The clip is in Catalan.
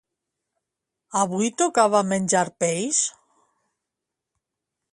Avui tocava menjar peix?